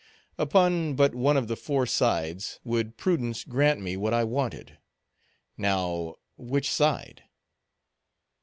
Upon but one of the four sides would prudence grant me what I wanted. Now, which side?